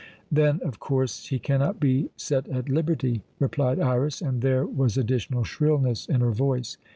"Then, of course, he cannot be set at liberty," replied Iras, and there was additional shrillness in her voice.